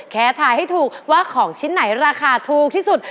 แค่ทายให้ถูกว่าของชิ้นไหนราคาถูกที่สุด